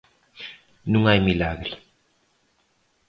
Non hai milagre.